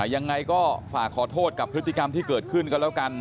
ยังไงก็ฝากขอโทษกับพฤติกรรมที่เกิดขึ้นก็แล้วกัน